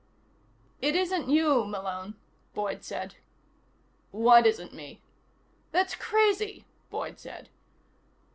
"It isn't you, Malone," Boyd said. "What isn't me?" "That's crazy," Boyd said.